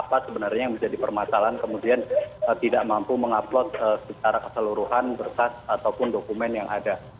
apa sebenarnya yang menjadi permasalahan kemudian tidak mampu mengupload secara keseluruhan berkas ataupun dokumen yang ada